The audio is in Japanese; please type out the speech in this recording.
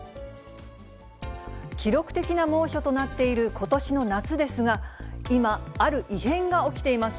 記録的な猛暑となっていることしの夏ですが、今、ある異変が起きています。